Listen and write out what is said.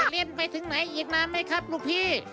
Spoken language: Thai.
เรียนไปถึงไหนอีกนานไหมครับลูกพี่